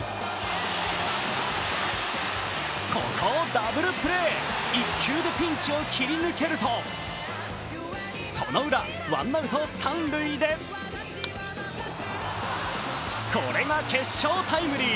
ここをダブルプレー、１球でピンチを切り抜けると、そのウラ、ワンアウト三塁でこれが決勝タイムリー。